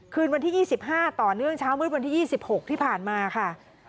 คืนวันที่๒๕ต่อเนื่องเช้ามืดวันที่๒๖ที่ผ่านมาค่ะ